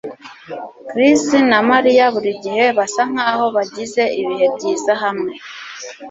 Chris na Mariya burigihe basa nkaho bagize ibihe byiza hamwe